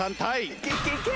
いけいけいけ！